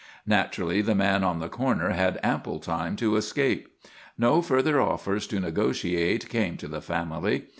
Naturally, the man on the corner had ample time to escape. No further offers to negotiate came to the family.